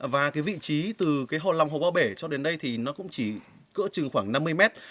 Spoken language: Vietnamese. và vị trí từ hồ lòng hồ ba bể cho đến đây cũng chỉ cỡ chừng khoảng năm mươi mét